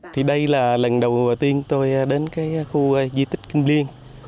thì đây là lần đầu tiên tôi đến cái khu di tích kim liên